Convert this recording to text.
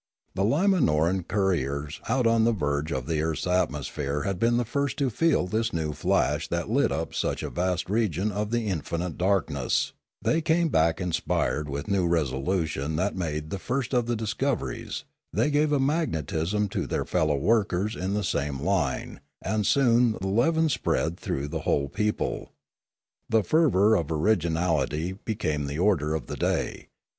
The Limanoran couriers out on the verge of the earth's atmosphere had been the first to feel this new flash that lit up such a vast region of the infinite darkness; they came back inspired with new resolution and made the first of the* discoveries; they gave a magnetism to their fellow workers in the same line, and soon the leaven spread through the whole people. The fervour of originality became the order of the day.